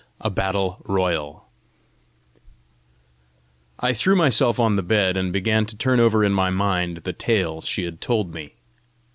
A BATTLE ROYAL I threw myself on the bed, and began to turn over in my mind the tale she had told me.